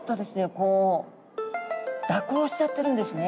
こう蛇行しちゃってるんですね。